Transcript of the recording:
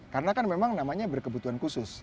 karena kan memang namanya berkebutuhan khusus